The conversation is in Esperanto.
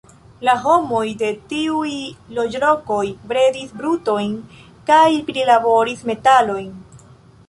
La homoj de tiuj loĝlokoj bredis brutojn kaj prilaboris metalojn.